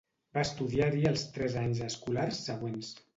Va estudiar-hi els tres anys escolars següents.